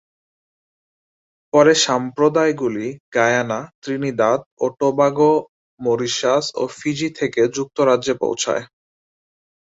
পরে, সম্প্রদায়গুলি Guyana, Trinidad ও টোবাগো, মরিশাস ও ফিজি থেকে যুক্তরাজ্যে পৌঁছায়।